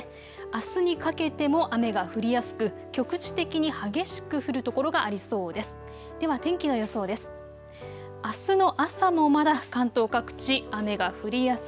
あすにかけても雨が降りやすく局地的に激しく降る所がありそうです。